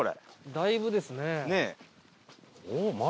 だいぶですね。